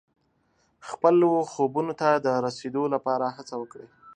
خپلو خوبونو ته د رسیدو لپاره هڅه وکړئ.